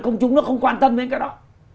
công chúng nó không quan tâm đến cái đó